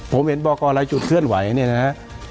ผมเห็นบอกกรรายจุดเคลื่อนไหวเนี่ยนะฮะ